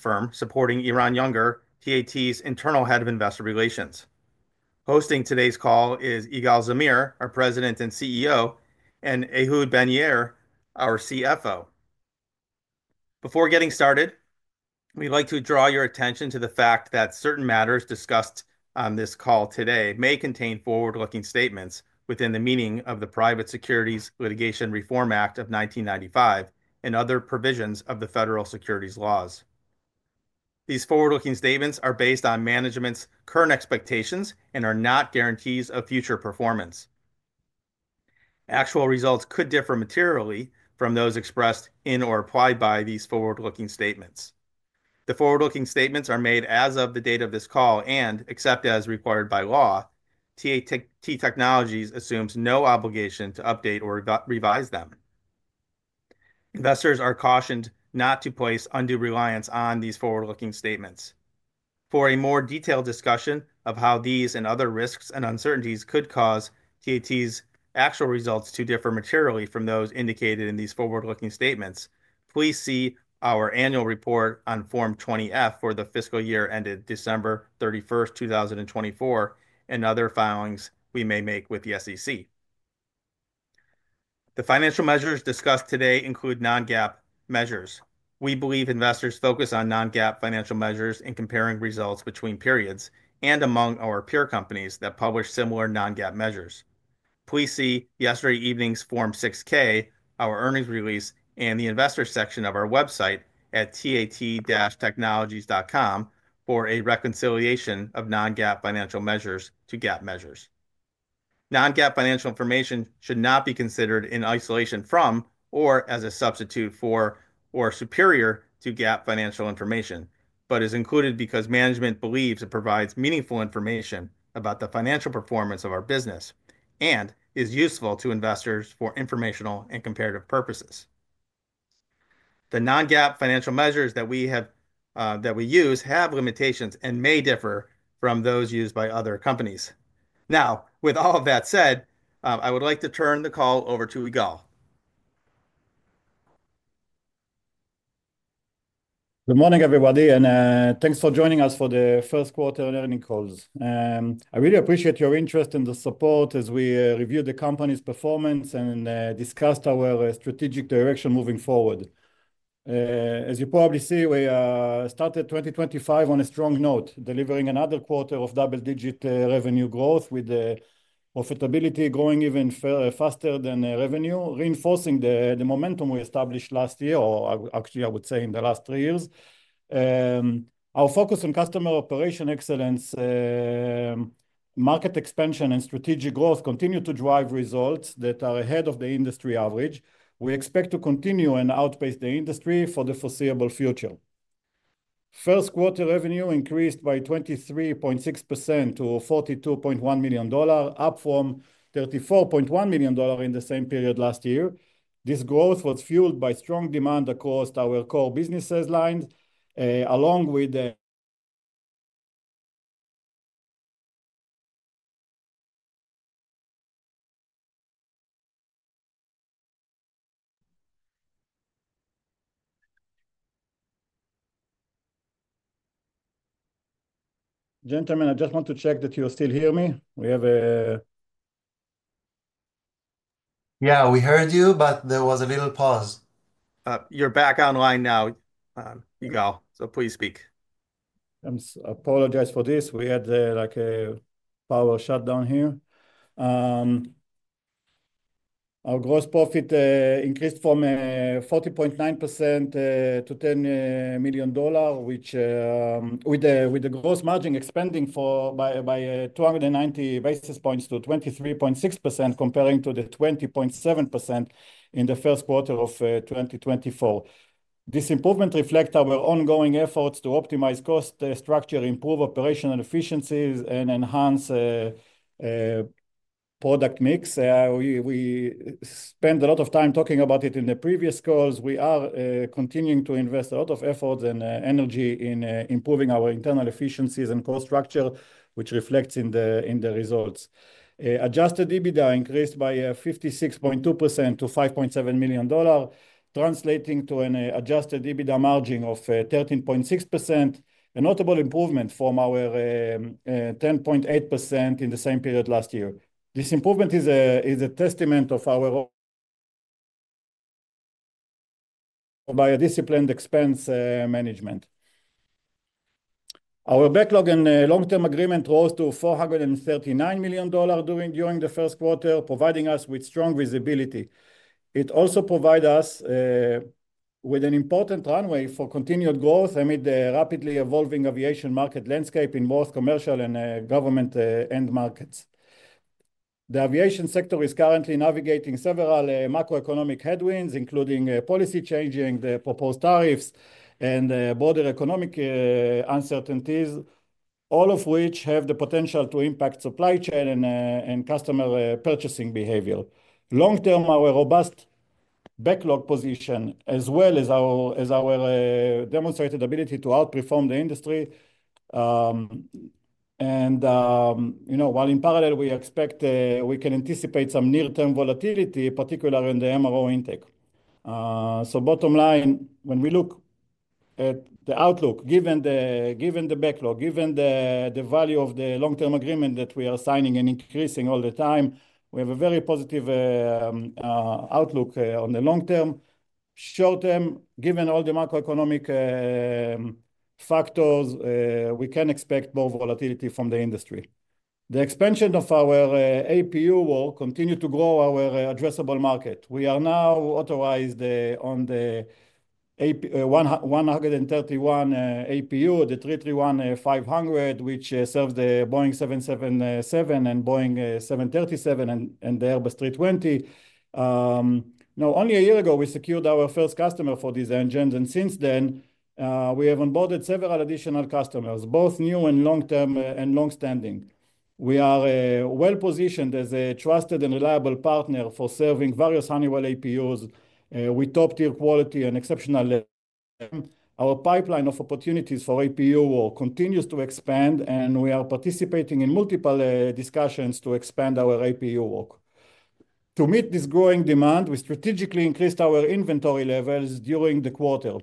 Firm supporting Eran Yunger, TAT's internal Head of Investor Relations. Hosting today's call is Igal Zamir, our President and CEO, and Ehud Ben-Yair, our CFO. Before getting started, we'd like to draw your attention to the fact that certain matters discussed on this call today may contain forward-looking statements within the meaning of the Private Securities Litigation Reform Act of 1995 and other provisions of the federal securities laws. These forward-looking statements are based on management's current expectations and are not guarantees of future performance. Actual results could differ materially from those expressed in or implied by these forward-looking statements. The forward-looking statements are made as of the date of this call and, except as required by law, TAT Technologies assumes no obligation to update or revise them. Investors are cautioned not to place undue reliance on these forward-looking statements. For a more detailed discussion of how these and other risks and uncertainties could cause TAT's actual results to differ materially from those indicated in these forward-looking statements, please see our annual report on Form 20-F for the fiscal year ended December 31, 2024, and other filings we may make with the SEC. The financial measures discussed today include non-GAAP measures. We believe investors focus on non-GAAP financial measures in comparing results between periods and among our peer companies that publish similar non-GAAP measures. Please see yesterday evening's Form 6-K, our earnings release, and the investor section of our website at tat-technologies.com for a reconciliation of non-GAAP financial measures to GAAP measures. Non-GAAP financial information should not be considered in isolation from or as a substitute for or superior to GAAP financial information, but is included because management believes it provides meaningful information about the financial performance of our business and is useful to investors for informational and comparative purposes. The non-GAAP financial measures that we use have limitations and may differ from those used by other companies. Now, with all of that said, I would like to turn the call over to Igal. Good morning, everybody, and thanks for joining us for the first quarter earning calls. I really appreciate your interest and the support as we reviewed the company's performance and discussed our strategic direction moving forward. As you probably see, we started 2024 on a strong note, delivering another quarter of double-digit revenue growth with profitability growing even faster than revenue, reinforcing the momentum we established last year, or actually, I would say in the last three years. Our focus on customer operation excellence, market expansion, and strategic growth continue to drive results that are ahead of the industry average. We expect to continue and outpace the industry for the foreseeable future. First quarter revenue increased by 23.6% to $42.1 million, up from $34.1 million in the same period last year. This growth was fueled by strong demand across our core business lines, along with. Gentlemen, I just want to check that you still hear me. We have a. Yeah, we heard you, but there was a little pause. You're back online now, Igal, so please speak. Apologize for this. We had like a power shutdown here. Our gross profit increased from 40.9% to $10 million, with the gross margin expanding by 290 basis points to 23.6%, comparing to the 20.7% in the first quarter of 2024. This improvement reflects our ongoing efforts to optimize cost structure, improve operational efficiencies, and enhance product mix. We spent a lot of time talking about it in the previous calls. We are continuing to invest a lot of efforts and energy in improving our internal efficiencies and cost structure, which reflects in the results. Adjusted EBITDA increased by 56.2% to $5.7 million, translating to an Adjusted EBITDA margin of 13.6%, a notable improvement from our 10.8% in the same period last year. This improvement is a testament of our disciplined expense management. Our backlog and long-term agreement rose to $439 million during the first quarter, providing us with strong visibility. It also provides us with an important runway for continued growth amid the rapidly evolving aviation market landscape in both commercial and government end markets. The aviation sector is currently navigating several macroeconomic headwinds, including policy changing, the proposed tariffs, and border economic uncertainties, all of which have the potential to impact supply chain and customer purchasing behavior. Long term, our robust backlog position, as well as our demonstrated ability to outperform the industry. You know, while in parallel, we expect we can anticipate some near-term volatility, particularly in the MRO intake. Bottom line, when we look at the outlook, given the backlog, given the value of the long-term agreement that we are signing and increasing all the time, we have a very positive outlook on the long term. Short term, given all the macroeconomic factors, we can expect more volatility from the industry. The expansion of our APU will continue to grow our addressable market. We are now authorized on the 131 APU, the 331-500, which serves the Boeing 777 and Boeing 737 and the Airbus 320. Now, only a year ago, we secured our first customer for these engines, and since then, we have onboarded several additional customers, both new and long-term and long-standing. We are well positioned as a trusted and reliable partner for serving various Honeywell APUs with top-tier quality and exceptional lead. Our pipeline of opportunities for APU will continue to expand, and we are participating in multiple discussions to expand our APU work. To meet this growing demand, we strategically increased our inventory levels during the quarter.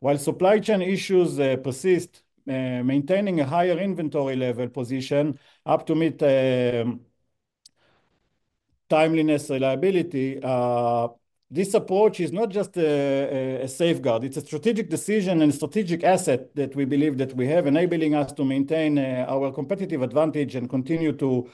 While supply chain issues persist, maintaining a higher inventory level position up to meet timeliness reliability, this approach is not just a safeguard. It is a strategic decision and a strategic asset that we believe that we have enabling us to maintain our competitive advantage and continue to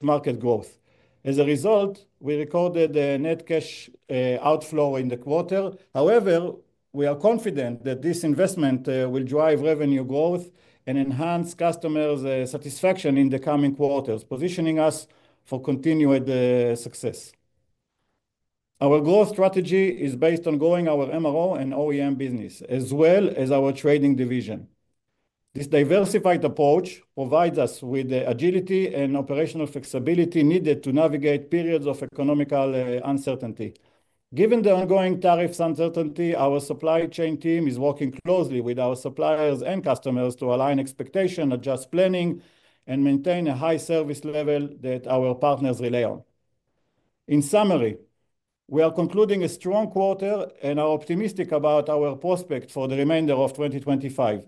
market growth. As a result, we recorded net cash outflow in the quarter. However, we are confident that this investment will drive revenue growth and enhance customers' satisfaction in the coming quarters, positioning us for continued success. Our growth strategy is based on growing our MRO and OEM business, as well as our trading division. This diversified approach provides us with the agility and operational flexibility needed to navigate periods of economical uncertainty. Given the ongoing tariff uncertainty, our supply chain team is working closely with our suppliers and customers to align expectations, adjust planning, and maintain a high service level that our partners rely on. In summary, we are concluding a strong quarter and are optimistic about our prospect for the remainder of 2025.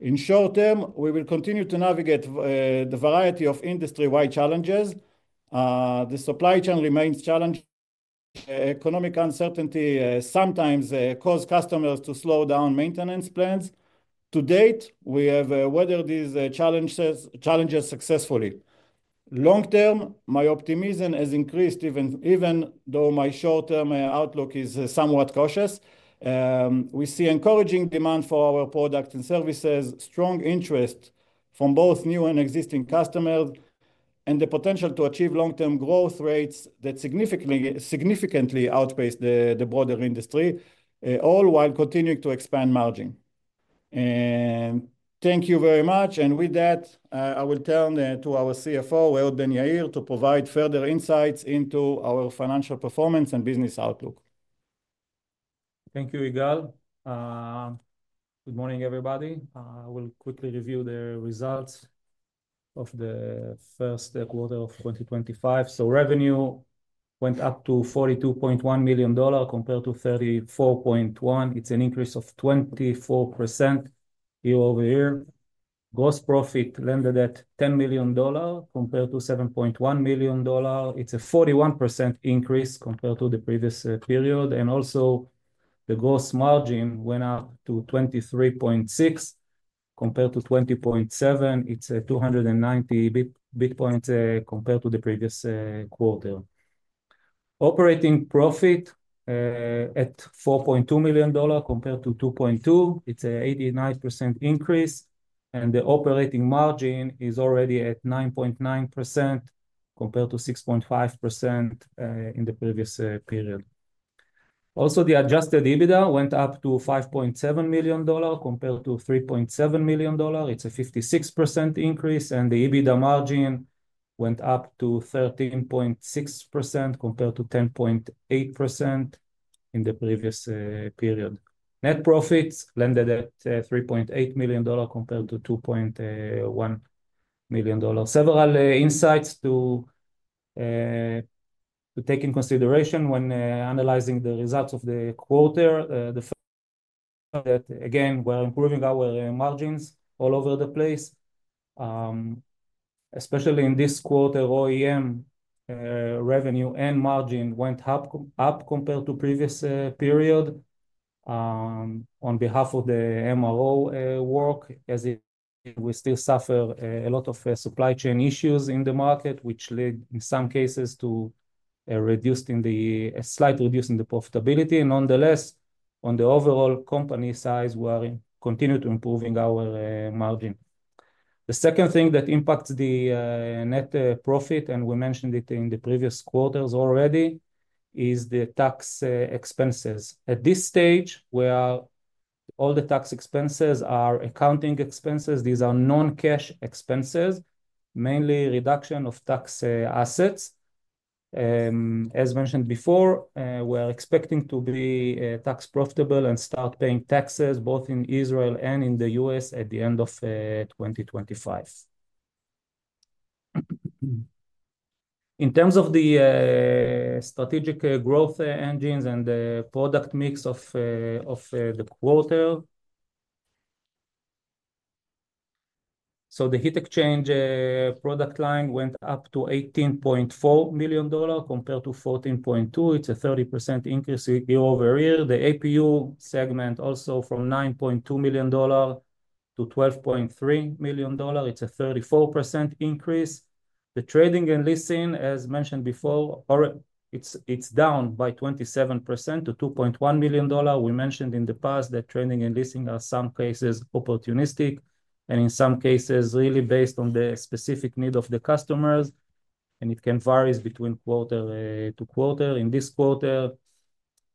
In short term, we will continue to navigate the variety of industry-wide challenges. The supply chain remains challenged. Economic uncertainty sometimes causes customers to slow down maintenance plans. To date, we have weathered these challenges successfully. Long term, my optimism has increased, even though my short-term outlook is somewhat cautious. We see encouraging demand for our products and services, strong interest from both new and existing customers, and the potential to achieve long-term growth rates that significantly outpace the broader industry, all while continuing to expand margin. Thank you very much. With that, I will turn to our CFO, Ehud Ben-Yair, to provide further insights into our financial performance and business outlook. Thank you, Igal. Good morning, everybody. I will quickly review the results of the first quarter of 2025. Revenue went up to $42.1 million compared to $34.1 million. It's an increase of 24% year-over-year. Gross profit landed at $10 million compared to $7.1 million. It's a 41% increase compared to the previous period. Also, the gross margin went up to 23.6% compared to 20.7%. It's a 290 basis points increase compared to the previous quarter. Operating profit at $4.2 million compared to $2.2 million. It's an 89% increase. The operating margin is already at 9.9% compared to 6.5% in the previous period. Also, the Adjusted EBITDA went up to $5.7 million compared to $3.7 million. It's a 56% increase. The EBITDA margin went up to 13.6% compared to 10.8% in the previous period. Net profits landed at $3.8 million compared to $2.1 million. Several insights to take into consideration when analyzing the results of the quarter. The first is that, again, we're improving our margins all over the place. Especially in this quarter, OEM revenue and margin went up compared to the previous period on behalf of the MRO work, as we still suffer a lot of supply chain issues in the market, which led in some cases to a slight reduction in the profitability. Nonetheless, on the overall company size, we are continuing to improve our margin. The second thing that impacts the net profit, and we mentioned it in the previous quarters already, is the tax expenses. At this stage, all the tax expenses are accounting expenses. These are non-cash expenses, mainly reduction of tax assets. As mentioned before, we are expecting to be tax profitable and start paying taxes both in Israel and in the U.S. at the end of 2025. In terms of the strategic growth engines and the product mix of the quarter, the heat exchangers product line went up to $18.4 million compared to $14.2 million. It's a 30% increase year over year. The APU segment also from $9.2 million-$12.3 million. It's a 34% increase. The trading and leasing, as mentioned before, is down by 27% to $2.1 million. We mentioned in the past that trading and leasing are in some cases opportunistic and in some cases really based on the specific need of the customers. It can vary between quarter to quarter. In this quarter,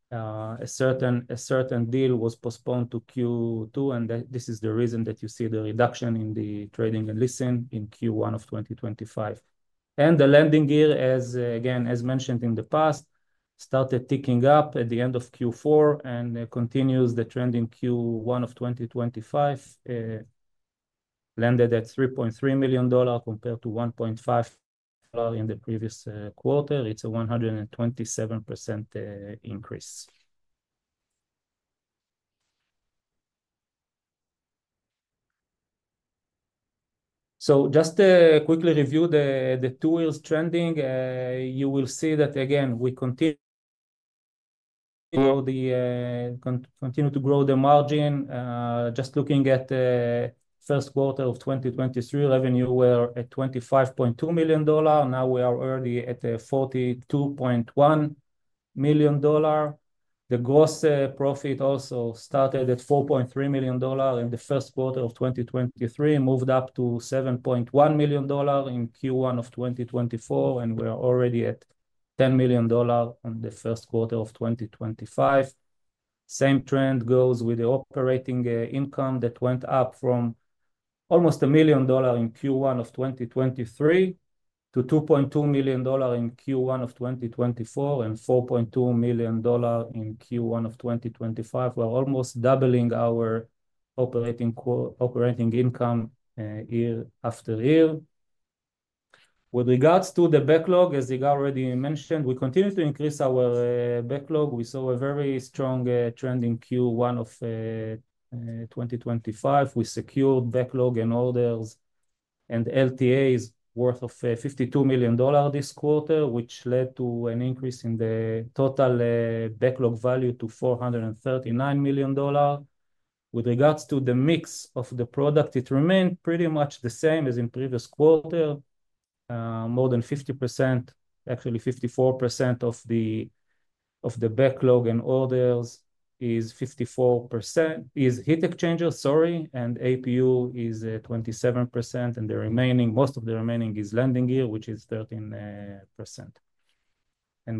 a certain deal was postponed to Q2. This is the reason that you see the reduction in the trading and leasing in Q1 of 2025. The landing gear, as again, as mentioned in the past, started ticking up at the end of Q4 and continues the trend in Q1 of 2025. Landed at $3.3 million compared to $1.5 million in the previous quarter. It's a 127% increase. Just to quickly review the two-year trending, you will see that, again, we continue to grow the margin. Just looking at the first quarter of 2023, revenue were at $25.2 million. Now we are already at $42.1 million. The gross profit also started at $4.3 million in the first quarter of 2023, moved up to $7.1 million in Q1 of 2024, and we are already at $10 million in the first quarter of 2025. Same trend goes with the operating income that went up from almost $1 million in Q1 of 2023 to $2.2 million in Q1 of 2024 and $4.2 million in Q1 of 2025. We're almost doubling our operating income year after year. With regards to the backlog, as Igal already mentioned, we continue to increase our backlog. We saw a very strong trend in Q1 of 2025. We secured backlog and orders and LTAs worth $52 million this quarter, which led to an increase in the total backlog value to $439 million. With regards to the mix of the product, it remained pretty much the same as in the previous quarter. More than 50%, actually 54% of the backlog and orders is heat exchangers, sorry, and APU is 27%, and most of the remaining is landing gear, which is 13%.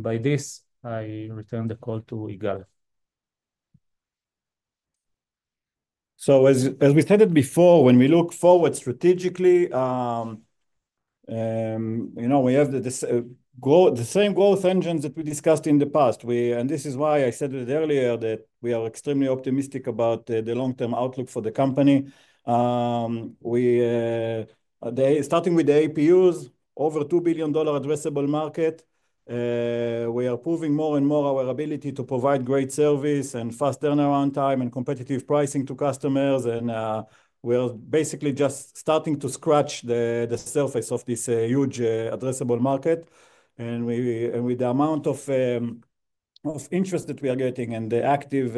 By this, I return the call to Igal. As we stated before, when we look forward strategically, you know we have the same growth engines that we discussed in the past. This is why I said it earlier that we are extremely optimistic about the long-term outlook for the company. Starting with the APUs, over $2 billion addressable market. We are proving more and more our ability to provide great service and fast turnaround time and competitive pricing to customers. We are basically just starting to scratch the surface of this huge addressable market. With the amount of interest that we are getting and the active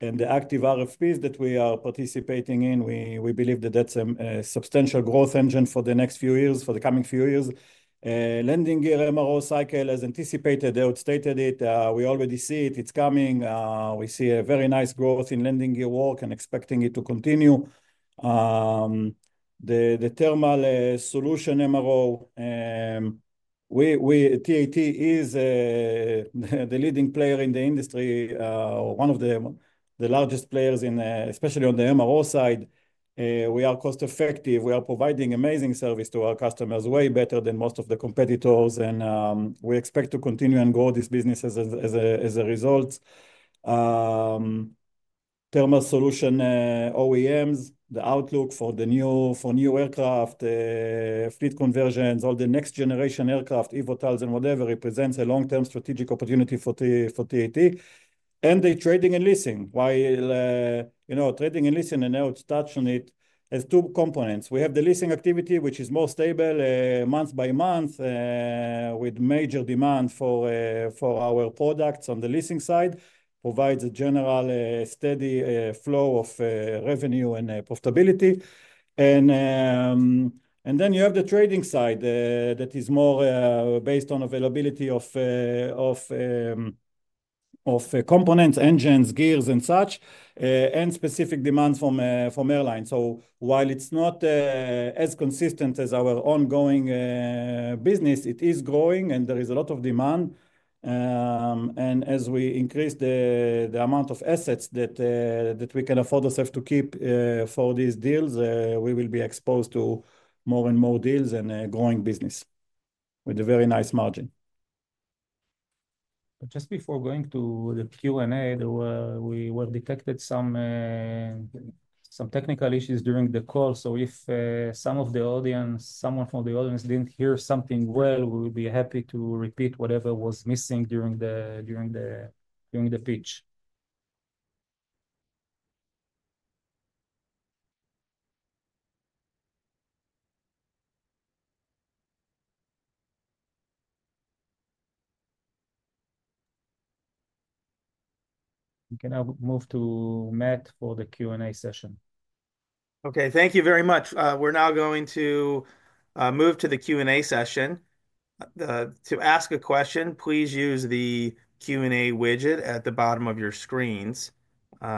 RFPs that we are participating in, we believe that that is a substantial growth engine for the next few years, for the coming few years. Landing gear MRO cycle, as anticipated, they outstated it. We already see it. It is coming. We see a very nice growth in landing gear work and expecting it to continue. The thermal solution MRO, TAT is the leading player in the industry, one of the largest players in, especially on the MRO side. We are cost-effective. We are providing amazing service to our customers way better than most of the competitors. We expect to continue and grow this business as a result. Thermal solution OEMs, the outlook for new aircraft, fleet conversions, all the next-generation aircraft, eVTOLs and whatever, represents a long-term strategic opportunity for TAT. The trading and leasing. Trading and leasing, and I will touch on it, has two components. We have the leasing activity, which is more stable month by month with major demand for our products on the leasing side, provides a general steady flow of revenue and profitability. You have the trading side that is more based on availability of components, engines, gears, and such, and specific demands from airlines. While it's not as consistent as our ongoing business, it is growing and there is a lot of demand. As we increase the amount of assets that we can afford ourselves to keep for these deals, we will be exposed to more and more deals and growing business with a very nice margin. Just before going to the Q&A, we detected some technical issues during the call. If someone from the audience did not hear something well, we would be happy to repeat whatever was missing during the pitch. We can now move to Matt for the Q&A session. Okay, thank you very much. We're now going to move to the Q&A session. To ask a question, please use the Q&A widget at the bottom of your screens.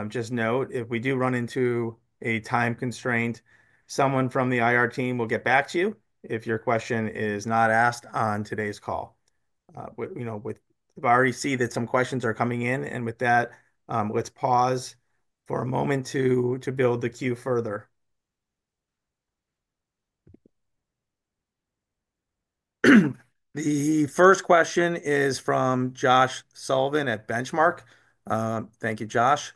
Just note, if we do run into a time constraint, someone from the IR team will get back to you if your question is not asked on today's call. I already see that some questions are coming in. With that, let's pause for a moment to build the queue further. The first question is from Josh Sullivan at Benchmark. Thank you, Josh.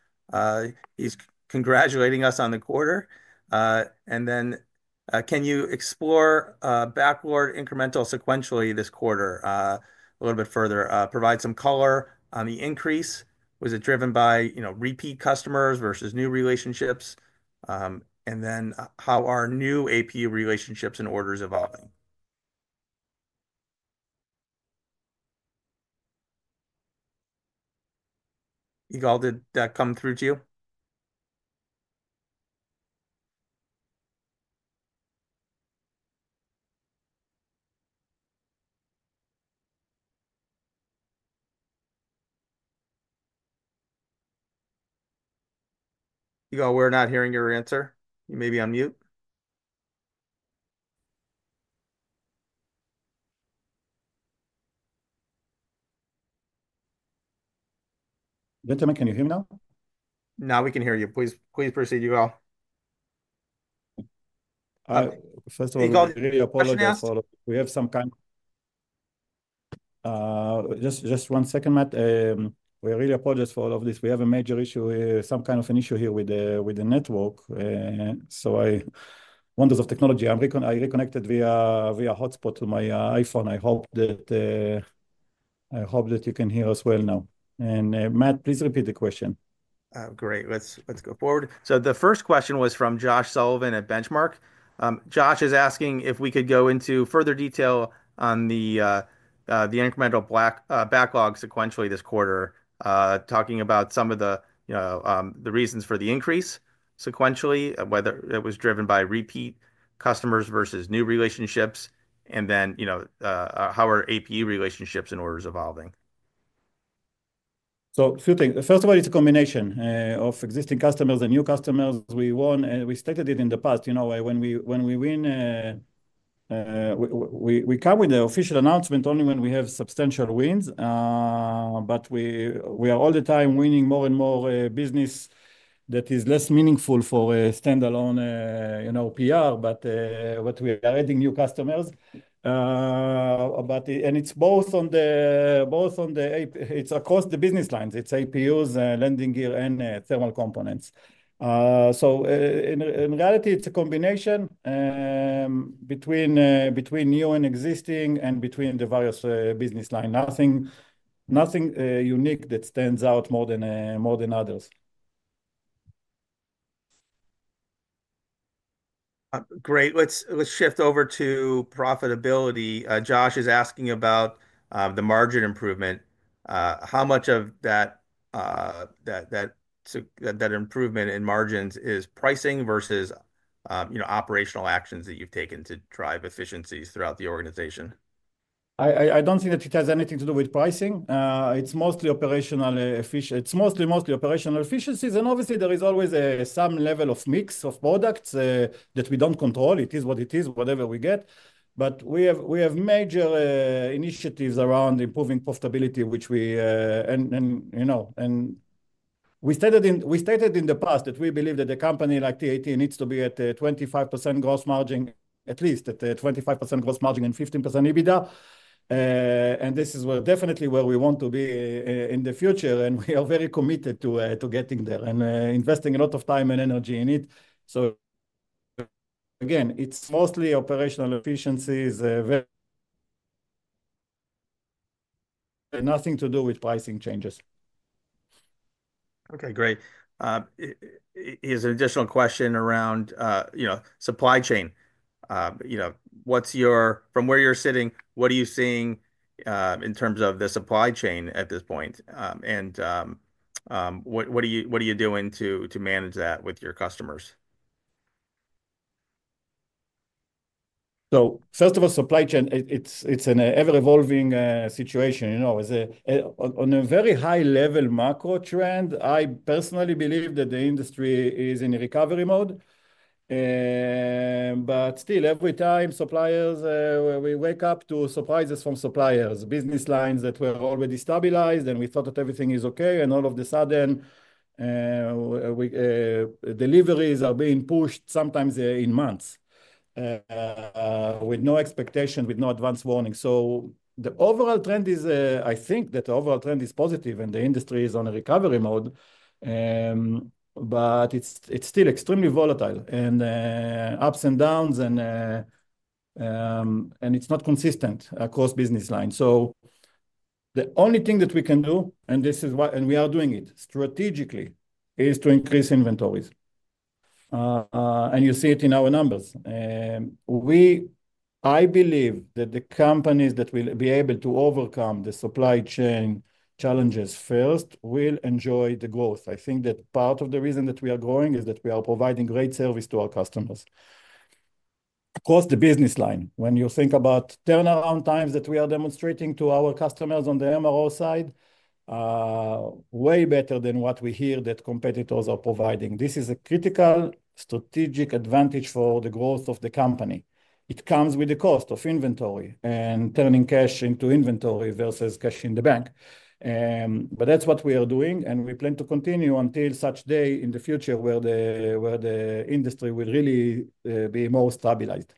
He's congratulating us on the quarter. Can you explore backward incremental sequentially this quarter a little bit further, provide some color on the increase? Was it driven by repeat customers versus new relationships? How are new APU relationships and orders evolving? Igal, did that come through to you? Igal, we're not hearing your answer. You may be on mute. Can you hear me now? Now we can hear you. Please proceed, Igal. First of all, we really apologize for all of this. We have some kind of... Just one second, Matt. We really apologize for all of this. We have a major issue, some kind of an issue here with the network. Wonders of technology. I reconnected via hotspot to my iPhone. I hope that you can hear us well now. Matt, please repeat the question. Great. Let's go forward. The first question was from Josh Sullivan at Benchmark. Josh is asking if we could go into further detail on the incremental backlog sequentially this quarter, talking about some of the reasons for the increase sequentially, whether it was driven by repeat customers versus new relationships, and then how are APU relationships and orders evolving. A few things. First of all, it's a combination of existing customers and new customers. We won, and we stated it in the past. You know, when we win, we come with the official announcement only when we have substantial wins. We are all the time winning more and more business that is less meaningful for a standalone PR, but we are adding new customers. It's both on the—it's across the business lines. It's APUs, landing gear, and thermal components. In reality, it's a combination between new and existing and between the various business lines. Nothing unique that stands out more than others. Great. Let's shift over to profitability. Josh is asking about the margin improvement. How much of that improvement in margins is pricing versus operational actions that you've taken to drive efficiencies throughout the organization? I don't think that it has anything to do with pricing. It's mostly operational efficiencies. Obviously, there is always some level of mix of products that we don't control. It is what it is, whatever we get. We have major initiatives around improving profitability. We stated in the past that we believe that a company like TAT needs to be at 25% gross margin, at least at 25% gross margin and 15% EBITDA. This is definitely where we want to be in the future. We are very committed to getting there and investing a lot of time and energy in it. Again, it's mostly operational efficiencies, nothing to do with pricing changes. Okay, great. Here's an additional question around supply chain. From where you're sitting, what are you seeing in terms of the supply chain at this point? What are you doing to manage that with your customers? First of all, supply chain, it's an ever-evolving situation. On a very high-level macro trend, I personally believe that the industry is in recovery mode. Still, every time suppliers, we wake up to surprises from suppliers, business lines that were already stabilized, and we thought that everything is okay. All of a sudden, deliveries are being pushed sometimes in months with no expectation, with no advance warning. The overall trend is, I think that the overall trend is positive and the industry is on a recovery mode. It's still extremely volatile and ups and downs, and it's not consistent across business lines. The only thing that we can do, and this is why we are doing it strategically, is to increase inventories. You see it in our numbers. I believe that the companies that will be able to overcome the supply chain challenges first will enjoy the growth. I think that part of the reason that we are growing is that we are providing great service to our customers across the business line. When you think about turnaround times that we are demonstrating to our customers on the MRO side, way better than what we hear that competitors are providing. This is a critical strategic advantage for the growth of the company. It comes with the cost of inventory and turning cash into inventory versus cash in the bank. That is what we are doing, and we plan to continue until such day in the future where the industry will really be more stabilized.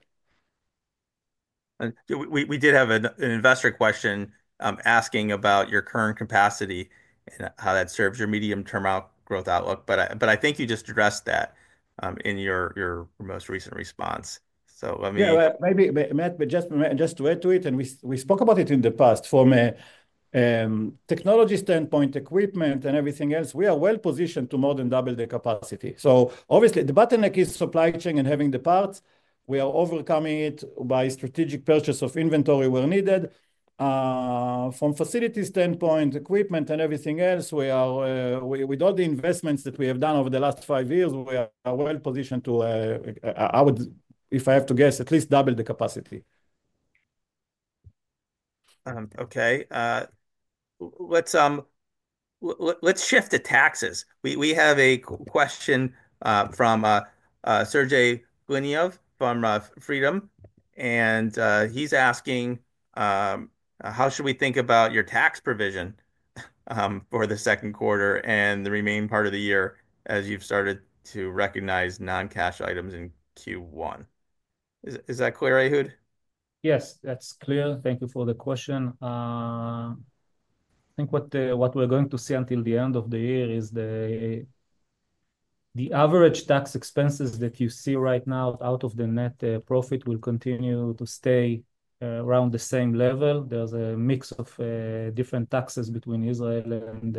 We did have an investor question asking about your current capacity and how that serves your medium-term growth outlook. I think you just addressed that in your most recent response. Yeah, maybe, Matt, but just to add to it, and we spoke about it in the past. From a technology standpoint, equipment and everything else, we are well positioned to more than double the capacity. Obviously, the bottleneck is supply chain and having the parts. We are overcoming it by strategic purchase of inventory where needed. From facility standpoint, equipment and everything else, with all the investments that we have done over the last five years, we are well positioned to, if I have to guess, at least double the capacity. Okay. Let's shift to taxes. We have a question from Sergey Fomichev from Freedom. And he's asking, how should we think about your tax provision for the second quarter and the remaining part of the year as you've started to recognize non-cash items in Q1? Is that clear, Ehud? Yes, that's clear. Thank you for the question. I think what we're going to see until the end of the year is the average tax expenses that you see right now out of the net profit will continue to stay around the same level. There's a mix of different taxes between Israel and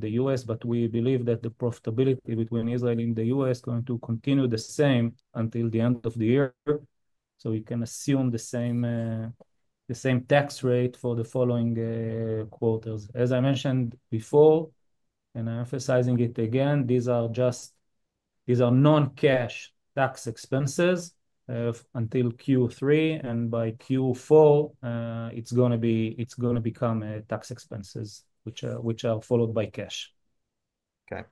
the U.S., but we believe that the profitability between Israel and the U.S. is going to continue the same until the end of the year. You can assume the same tax rate for the following quarters. As I mentioned before, and I'm emphasizing it again, these are non-cash tax expenses until Q3. By Q4, it's going to become tax expenses which are followed by cash. Okay.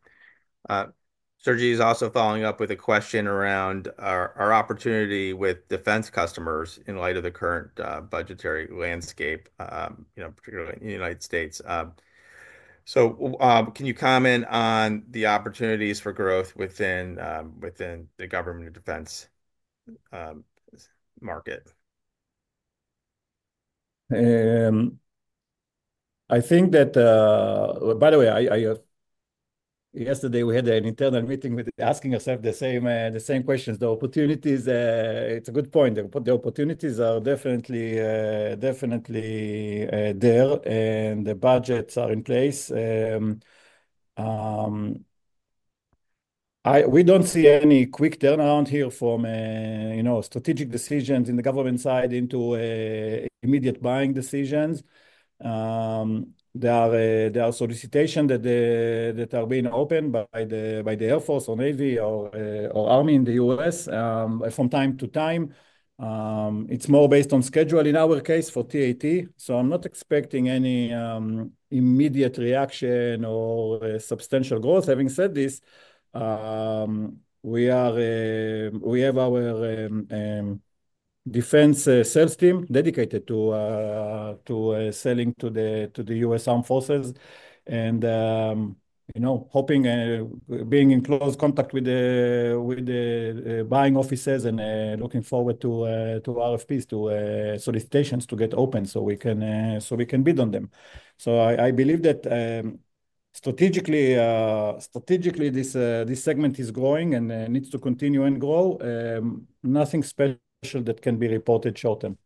Sergey is also following up with a question around our opportunity with defense customers in light of the current budgetary landscape, particularly in the United States. Can you comment on the opportunities for growth within the government defense market? I think that, by the way, yesterday we had an internal meeting with asking ourselves the same questions. The opportunities, it's a good point. The opportunities are definitely there, and the budgets are in place. We don't see any quick turnaround here from strategic decisions in the government side into immediate buying decisions. There are solicitations that are being opened by the Air Force or Navy or Army in the U.S. from time to time. It's more based on schedule in our case for TAT. So I'm not expecting any immediate reaction or substantial growth. Having said this, we have our defense sales team dedicated to selling to the US Armed Forces and hoping and being in close contact with the buying offices and looking forward to RFPs, to solicitations to get open so we can bid on them. I believe that strategically, this segment is growing and needs to continue and grow. Nothing special that can be reported short term.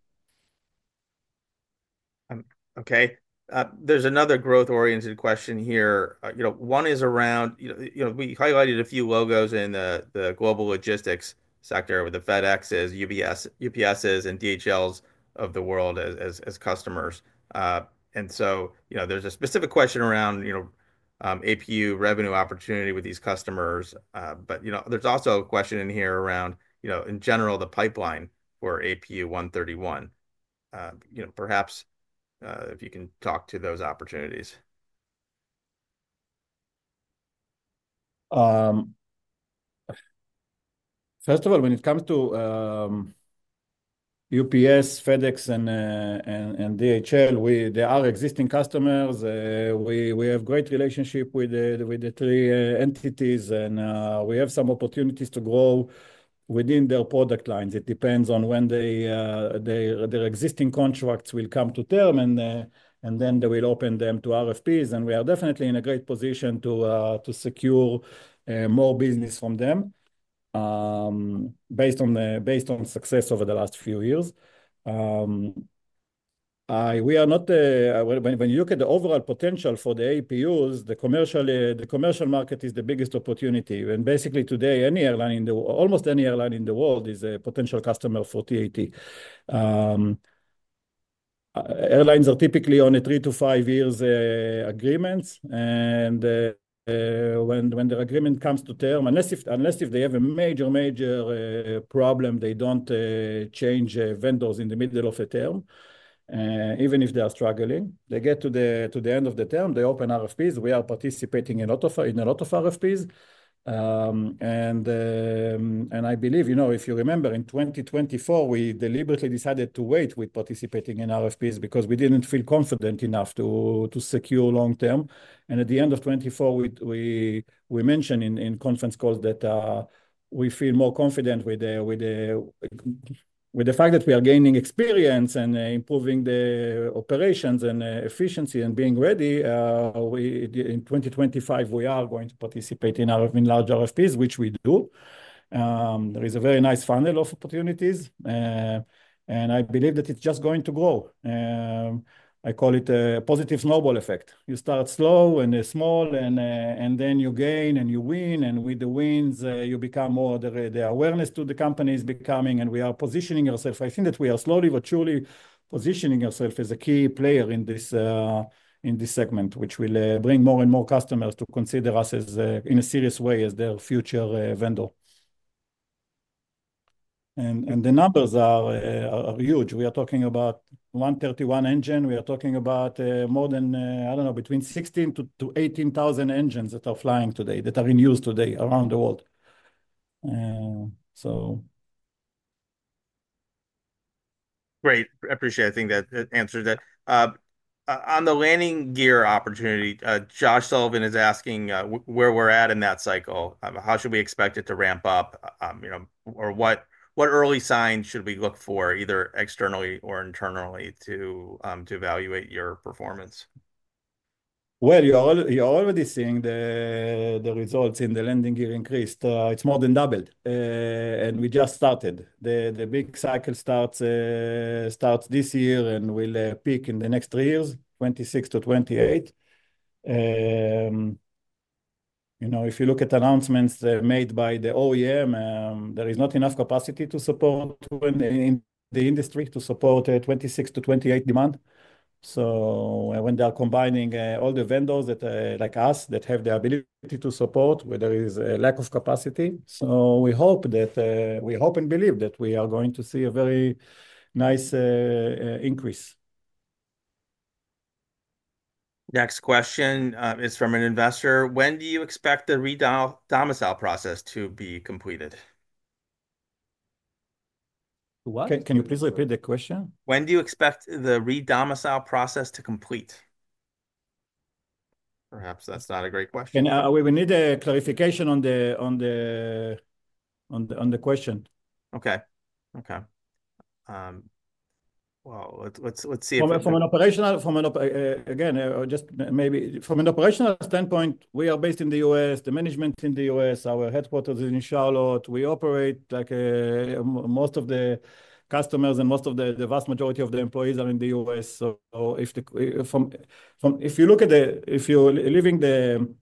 Okay. There's another growth-oriented question here. One is around, we highlighted a few logos in the global logistics sector with the FedEx's, UPS', and DHLs of the world as customers. There's a specific question around APU revenue opportunity with these customers. There's also a question in here around, in general, the pipeline for APU 131. Perhaps if you can talk to those opportunities. First of all, when it comes to UPS, FedEx, and DHL, they are existing customers. We have a great relationship with the three entities, and we have some opportunities to grow within their product lines. It depends on when their existing contracts will come to term, and they will open them to RFPs. We are definitely in a great position to secure more business from them based on success over the last few years. When you look at the overall potential for the APUs, the commercial market is the biggest opportunity. Basically today, almost any airline in the world is a potential customer for TAT. Airlines are typically on three- to five-year agreements. When the agreement comes to term, unless if they have a major, major problem, they do not change vendors in the middle of the term. Even if they are struggling, they get to the end of the term, they open RFPs. We are participating in a lot of RFPs. I believe, you know, if you remember, in 2024, we deliberately decided to wait with participating in RFPs because we did not feel confident enough to secure long term. At the end of 2024, we mentioned in conference calls that we feel more confident with the fact that we are gaining experience and improving the operations and efficiency and being ready. In 2025, we are going to participate in large RFPs, which we do. There is a very nice funnel of opportunities. I believe that it is just going to grow. I call it a positive snowball effect. You start slow and small, and then you gain and you win. With the wins, you become more the awareness to the companies becoming, and we are positioning ourselves. I think that we are slowly but surely positioning ourselves as a key player in this segment, which will bring more and more customers to consider us in a serious way as their future vendor. The numbers are huge. We are talking about 131 engines. We are talking about more than, I don't know, between 16,000 and 18,000 engines that are flying today, that are in use today around the world. Great. I appreciate it. I think that answers that. On the landing gear opportunity, Josh Sullivan is asking where we're at in that cycle. How should we expect it to ramp up? Or what early signs should we look for, either externally or internally, to evaluate your performance? You are already seeing the results in the landing gear increased. It has more than doubled. And we just started. The big cycle starts this year and will peak in the next three years, 2026-2028. If you look at announcements made by the OEM, there is not enough capacity to support in the industry to support 2026-2028 demand. When they are combining all the vendors like us that have the ability to support, there is a lack of capacity. We hope and believe that we are going to see a very nice increase. Next question is from an investor. When do you expect the re-domicile process to be completed? Can you please repeat the question? When do you expect the re-domicile process to complete? Perhaps that's not a great question. We need a clarification on the question. Okay. Let's see if. Again, just maybe from an operational standpoint, we are based in the U.S., the management is in the U.S., our headquarters is in Charlotte. We operate like most of the customers and most of the vast majority of the employees are in the U.S. If you look at the, if you're leaving the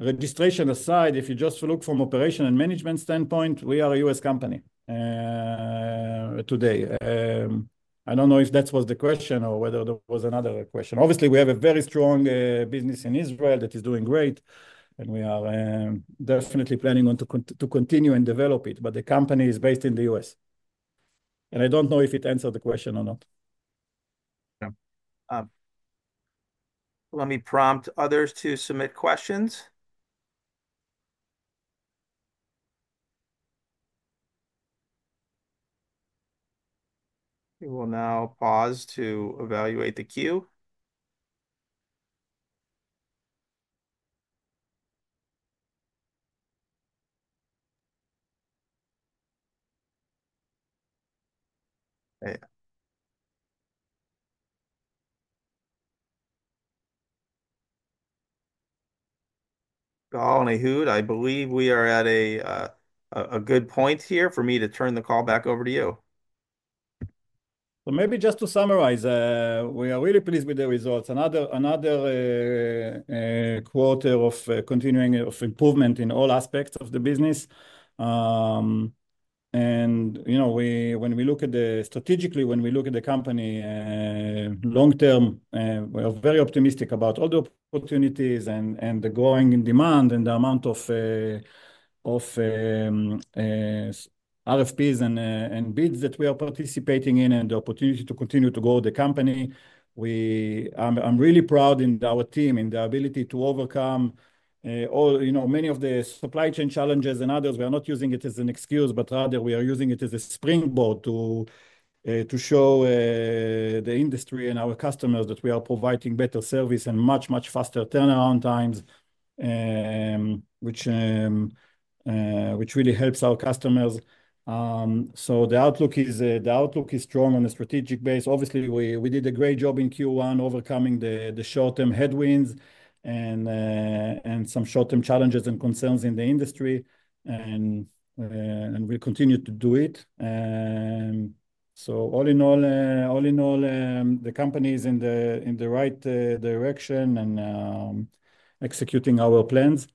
registration aside, if you just look from operation and management standpoint, we are a US company today. I don't know if that was the question or whether there was another question. Obviously, we have a very strong business in Israel that is doing great. We are definitely planning on to continue and develop it. The company is based in the U.S. I don't know if it answered the question or not. Let me prompt others to submit questions. We will now pause to evaluate the queue. Ehud, I believe we are at a good point here for me to turn the call back over to you. Maybe just to summarize, we are really pleased with the results. Another quarter of continuing improvement in all aspects of the business. When we look at the strategically, when we look at the company long term, we are very optimistic about all the opportunities and the growing demand and the amount of RFPs and bids that we are participating in and the opportunity to continue to grow the company. I'm really proud in our team in the ability to overcome many of the supply chain challenges and others. We are not using it as an excuse, but rather we are using it as a springboard to show the industry and our customers that we are providing better service and much, much faster turnaround times, which really helps our customers. The outlook is strong on a strategic base. Obviously, we did a great job in Q1 overcoming the short-term headwinds and some short-term challenges and concerns in the industry. We continue to do it. All in all, the company is in the right direction and executing our plans.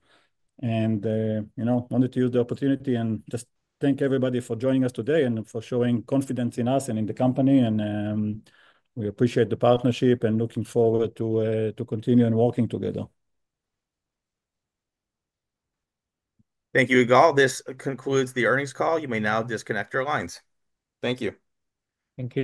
I wanted to use the opportunity and just thank everybody for joining us today and for showing confidence in us and in the company. We appreciate the partnership and look forward to continuing working together. Thank you, Igal. This concludes the earnings call. You may now disconnect your lines. Thank you. Thank you.